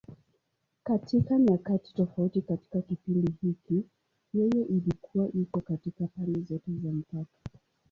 Katika nyakati tofauti katika kipindi hiki, yeye ilikuwa iko katika pande zote za mpaka.